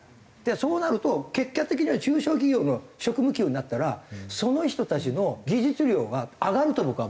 そうなると結果的には中小企業も職務給になったらその人たちの技術料が上がると僕は思うんですね。